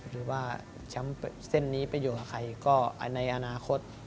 หรือว่าแชมป์เส้นนี้ไปอยู่กับใครก็ในอนาคต